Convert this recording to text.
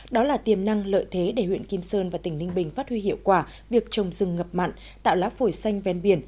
đó là tiềm năng lợi thế để huyện kim sơn và tỉnh ninh bình phát huy hiệu quả việc trồng rừng ngập mặn tạo lá phổi xanh ven biển